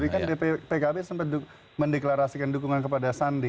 kan pkb sempat mendeklarasikan dukungan kepada sandi